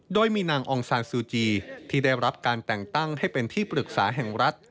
โดยมีนางองซานซูจีที่ได้รับการแต่งตั้งให้เป็นที่ปรึกษาแห่งรัฐ